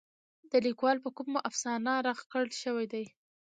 د ليکوال په کومه افسانه رغ کړے شوې ده.